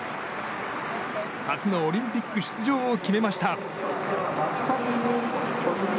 初のオリンピック出場を決めました。